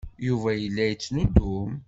Yuba yella yettnuddum.